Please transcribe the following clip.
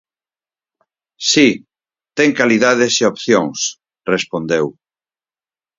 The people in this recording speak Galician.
"Si, ten calidades e opcións", respondeu.